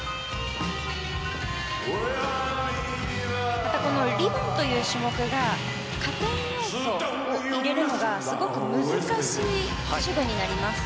また、このリボンという種目が加点要素を入れるのがすごく難しい手具になります。